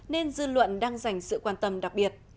nên dư luận đang dành sự quan tâm đặc biệt